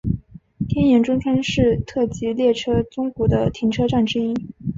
天盐中川是特急列车宗谷的停车站之一。